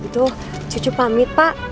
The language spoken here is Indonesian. tuh cucu pamit pak